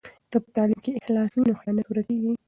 که په تعلیم کې اخلاص وي نو خیانت ورکېږي.